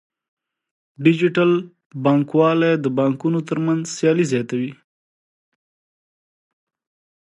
ډیجیټل بانکوالي د بانکونو ترمنځ سیالي زیاتوي.